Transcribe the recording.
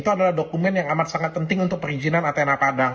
itu adalah dokumen yang amat sangat penting untuk perizinan atna padang